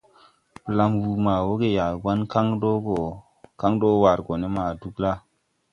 Blam wuu ma woge Yagoan kan do war gɔ ne Dugla.